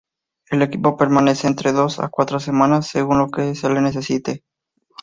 El equipo permanece entre dos a cuatro semanas según lo que se le necesite.